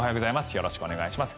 よろしくお願いします。